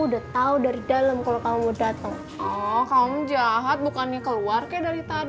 pisahin makanannya buat lo dirumah